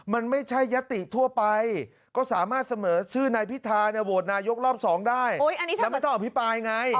มันไม่ใช่ยติทั่วไปก็สามารถเสนอชื่อนายพิธาโหวตนายกรอบ๒ได้แล้วไม่ต้องอภิปรายไง